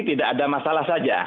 tidak ada masalah saja